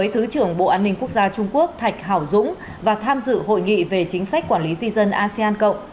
thứ trưởng bộ an ninh quốc gia trung quốc thạch hảo dũng và tham dự hội nghị về chính sách quản lý di dân asean cộng